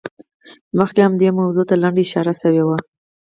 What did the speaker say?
مخکې هم دې موضوع ته لنډه اشاره شوې وه.